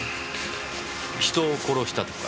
人を殺したとか？